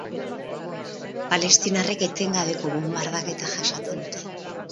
Palestinarrek etengabeko bonbardaketa jasaten dute.